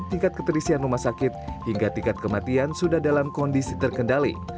tingkat keterisian rumah sakit hingga tingkat kematian sudah dalam kondisi terkendali